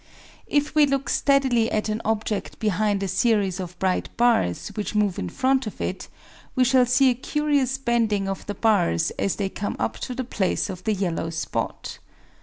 If we look steadily at an object behind a series of bright bars which move in front of it, we shall see a curious bending of the bars as they come up to the place of the yellow spot.